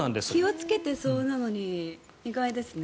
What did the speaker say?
気をつけてそうなのに意外ですね。